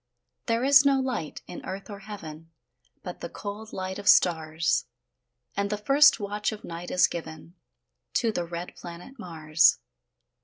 There is no light in earth or heaven, But the cold light of stars; And the first watch of night is given To the red planet Mars.